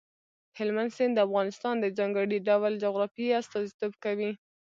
هلمند سیند د افغانستان د ځانګړي ډول جغرافیې استازیتوب کوي.